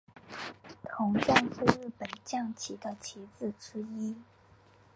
铜将是日本将棋的棋子之一。